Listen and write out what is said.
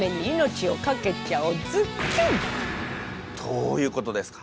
どういうことですか？